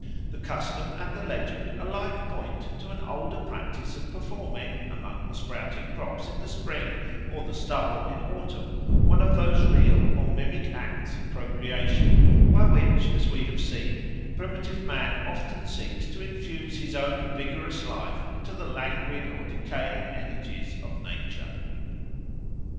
The custom and the legend alike point to an older practice of performing, among the sprouting crops in spring or the stubble in autumn, one of those real or mimic acts of procreation by which, as we have seen, primitive man often seeks to infuse his own vigorous life into the languid or decaying energies of nature.